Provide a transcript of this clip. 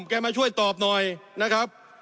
แกมาช่วยตอบหน่อยนะครับ